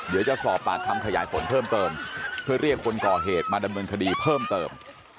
เดี๋ยวจะสอบปากคำขยายผลเพิ่มเติมเพื่อเรียกคนก่อเหตุมาดำเนินคดีเพิ่มเติม